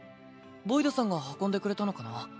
ボイドさんが運んでくれたのかな？